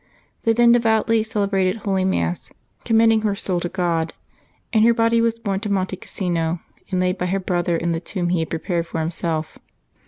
They then devoutly celebrated holy Mass, *^ commending her soul to God ;" and her body was borne to Monte Casino, and laid by her brother in the tomb he had prepared for himself.